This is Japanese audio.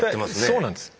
そうなんです。